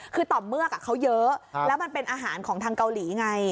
คือต่อมเมือกเขาเยอะแล้วมันเป็นอาหารของทางเกาหลีไง